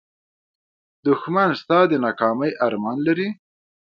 دښمن ستا د ناکامۍ ارمان لري